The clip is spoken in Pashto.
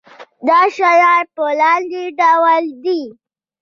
دا شیان په لاندې ډول دي.